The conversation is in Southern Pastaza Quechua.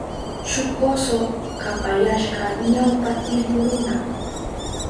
Shuk oso kapayashka ñawpa timpu runa.